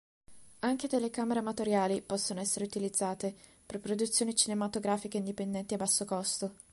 Anche telecamere amatoriali possono essere utilizzate per produzioni cinematografiche indipendenti a basso costo.